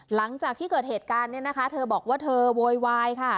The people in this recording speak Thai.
หลังจากที่เกิดเหตุการณ์เนี่ยนะคะเธอบอกว่าเธอโวยวายค่ะ